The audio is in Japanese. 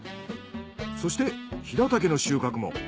そしてヒラタケの収穫も。